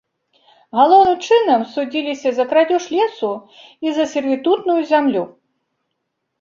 Галоўным чынам, судзіліся за крадзеж лесу і за сервітутную зямлю.